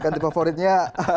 kan tipe favoritnya